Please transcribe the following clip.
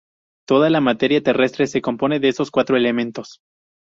Toda la materia terrestre se compone de estos cuatro elementos.